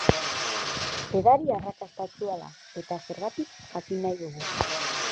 Edari arrakatstasua da eta zergatik jakin nahi dugu.